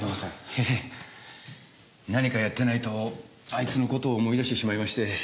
いえ何かやってないとあいつの事を思い出してしまいまして。